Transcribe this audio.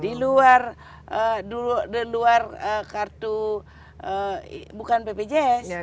diluar kartu bukan bpjs